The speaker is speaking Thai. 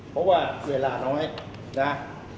เพราะว่าเวลาน้อยนะ